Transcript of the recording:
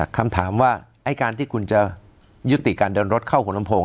คำถามว่าไอ้การที่คุณจะยุติการเดินรถเข้าหัวลำโพง